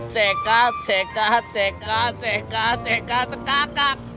cekat cekat cekat cekat cekat cekat cekat